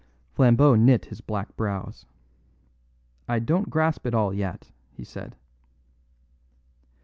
Flambeau knit his black brows. "I don't grasp it all yet," he said.